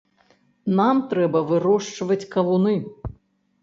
Нам трэба вырошчваць кавуны.